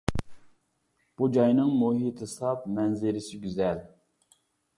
بۇ جاينىڭ مۇھىتى ساپ، مەنزىرىسى گۈزەل.